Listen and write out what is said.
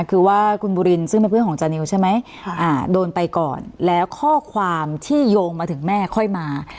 คือว่าคุณบุรินซึ่งเป็นเพื่อนของจานิวใช่ไหมโดนไปก่อนแล้วข้อความที่โยงมาถึงแม่ค่อยมา